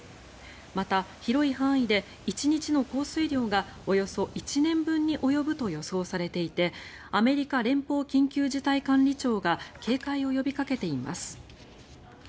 また、広い範囲で１日の降水量がおよそ１年分に及ぶと予想されていてアメリカ連邦緊急事態管理庁が警戒を呼びかけています。